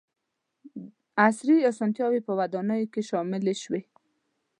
• عصري اسانتیاوې په ودانیو کې شاملې شوې.